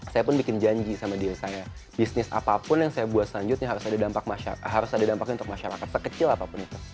saya pun bikin janji sama diri saya bisnis apapun yang saya buat selanjutnya harus ada dampaknya untuk masyarakat sekecil apapun itu